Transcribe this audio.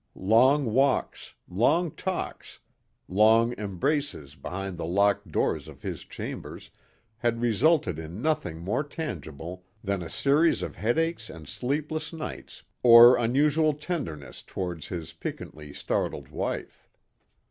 Long walks, long talks, long embraces behind the locked doors of his chambers had resulted in nothing more tangible than a series of headaches and sleepless nights or unusual tenderness towards his piquantly startled wife.